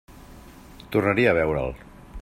Tornaria a veure'l!